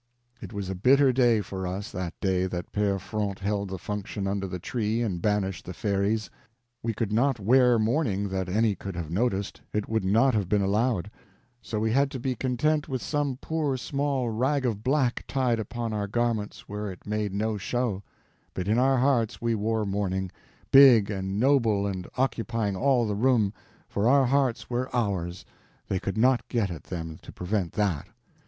It was a bitter day for us, that day that Pere Fronte held the function under the tree and banished the fairies. We could not wear mourning that any could have noticed, it would not have been allowed; so we had to be content with some poor small rag of black tied upon our garments where it made no show; but in our hearts we wore mourning, big and noble and occupying all the room, for our hearts were ours; they could not get at them to prevent that.